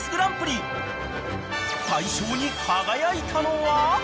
［大賞に輝いたのは？］